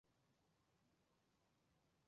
不过也并不是所有的评论员都喜欢这一集。